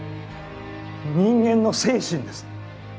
人間の精神です。